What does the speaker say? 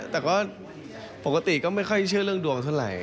แต่ก็ปกติก็ไม่ค่อยเชื่อเรื่องดวงเท่าไหร่